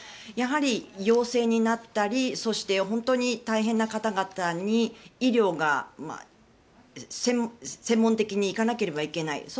やはり陽性になったりそして本当に大変な方々に医療が専門的にいかなければいけない。